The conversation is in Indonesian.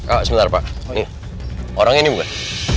ah sebentar pak nih orangnya ini bukan